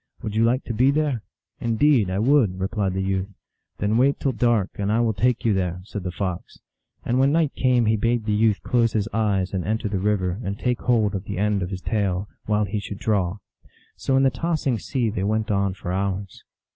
Would you like to be there ?"" Indeed I would," replied the youth. " Then wait till dark, and I will take you there," said the Fox. And when night came he bade the youth close his eyes and enter the river, and take hold of the end of his tail, while he should draw. So in the tossing sea they went on for hours.